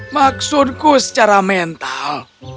maksudku secara mental